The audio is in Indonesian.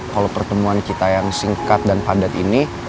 kalau pertemuan kita yang singkat dan padat ini